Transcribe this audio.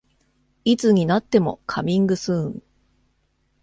いつになってもカミングスーン